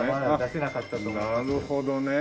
なるほどね。